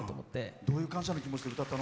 どういう感謝の気持ちで歌ったの？